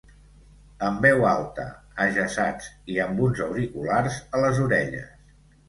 En veu alta, ajaçats, i amb uns auriculars a les orelles.